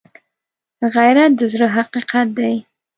غیرت د زړه حقیقت دی